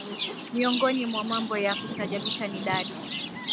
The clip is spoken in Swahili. Miongoni mwa mambo ya kustaajabisha ni dari